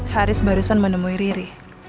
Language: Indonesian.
haris barusan menemui riri